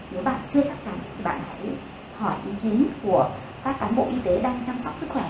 nếu bạn chưa chắc chắn thì bạn hãy hỏi ý kiến của các cán bộ y tế đang chăm sóc sức khỏe